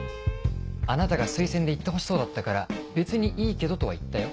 あなたが推薦で行ってほしそうだったから「別にいいけど」とは言ったよ。